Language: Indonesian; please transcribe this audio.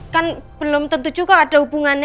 kan belum tentu juga ada hubungannya